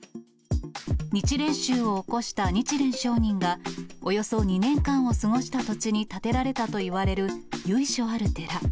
日蓮宗を興した日蓮聖人が、およそ２年間を過ごした土地に建てられたといわれる由緒ある寺。